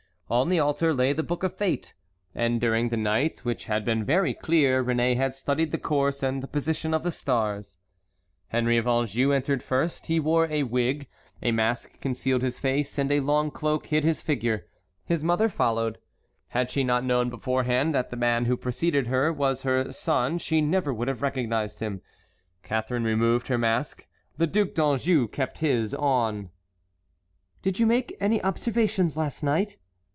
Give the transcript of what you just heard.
On the altar lay the Book of Fate, and during the night, which had been very clear, Réné had studied the course and the position of the stars. Henry of Anjou entered first. He wore a wig, a mask concealed his face, and a long cloak hid his figure. His mother followed. Had she not known beforehand that the man who had preceded her was her son she never would have recognized him. Catharine removed her mask; the Duc d'Anjou kept his on. "Did you make any observations last night?"